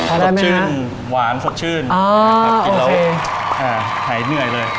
พอแล้วไหมนะสะชื่นหวานสะชื่นอ่าโอเคอ่าไขเหนื่อยเลย